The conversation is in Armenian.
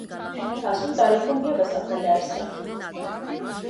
Հասուն տարիքում ևս ապրել է այստեղ։